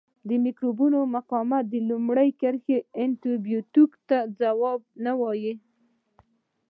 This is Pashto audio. د مکروبونو مقاومت د لومړۍ کرښې انټي بیوټیکو ته ځواب نه وایي.